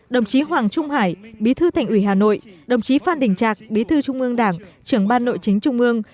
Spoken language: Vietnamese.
đồng chí hoàng trung hải bí thư thành ủy hà nội đồng chí phan đình trạc bí thư trung ương đảng trưởng ban nội chính trung ương